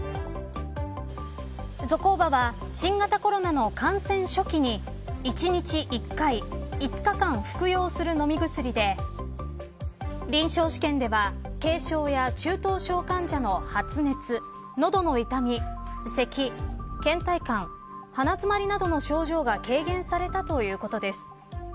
ゾコーバは新型コロナの感染初期に１日１回５日間服用する飲み薬で臨床試験では軽症や中等症患者の発熱、喉の痛みせき、倦怠感鼻づまりなどの症状が軽減されたということです。